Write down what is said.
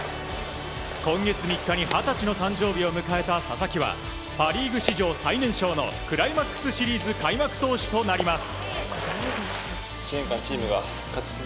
今月３日に二十歳の誕生日を迎えた佐々木はパ・リーグ史上最年少のクライマックスシリーズの開幕投手となります。